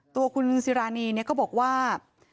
ตัวคุณสิรานีก็บอกว่า